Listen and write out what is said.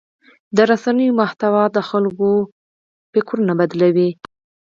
د رسنیو محتوا د خلکو افکار بدلوي.